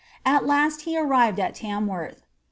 At last he arrived at Tam worth.